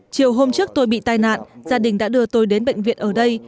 chiều hôm trước tôi bị tai nạn gia đình đã đưa tôi đến bệnh viện ở đây